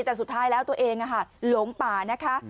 แต่สุดท้ายแล้วตัวเองหลงป่านะคะ